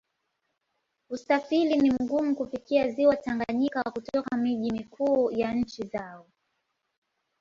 Usafiri ni mgumu kufikia Ziwa Tanganyika kutoka miji mikuu ya nchi zao.